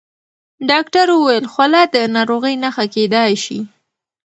ډاکټر وویل خوله د ناروغۍ نښه کېدای شي.